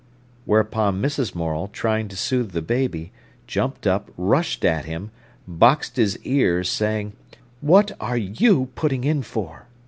Whereupon Mrs. Morel, trying to soothe the baby, jumped up, rushed at him, boxed his ears, saying: "What are you putting in for?"